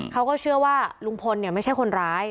เขาก็เชื่อว่าลุงพลไม่ใช่คนร้าย